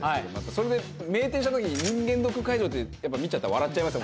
それで明転した時に「人間ドック会場」って見ちゃったら笑っちゃいました。